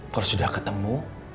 kalau sudah ketemu